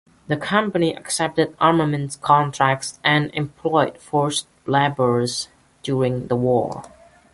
The company accepted armaments contracts and employed forced laborers during the war.